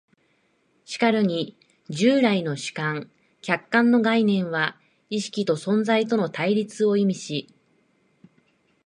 しかるに従来の主観・客観の概念は意識と存在との対立を意味し、